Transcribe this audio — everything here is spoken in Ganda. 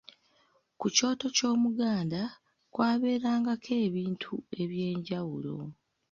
Ku kyoto ky'Omuganda, kwabeerangako ebintu eby'enjawulo.